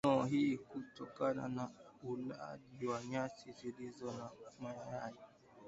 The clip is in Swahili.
Mifugo hupata minyoo hii kutokana na ulaji wa nyasi zilizo na mayai